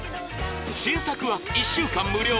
新作は１週間無料